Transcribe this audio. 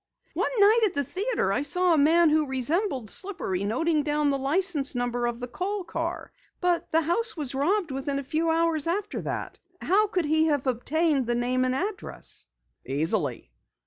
"One night at the theatre I saw a man who resembled Slippery noting down the license number of the Kohl car. But the house was robbed within a few hours after that. How could he have obtained the name and address?" "Easily.